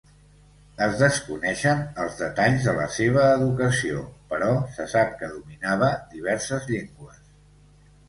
Es desconeixen els detalls de la seva educació, però se sap que dominava diverses llengües.